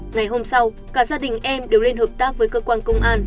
ngày hôm sau cả gia đình em đều lên hợp tác với cơ quan công an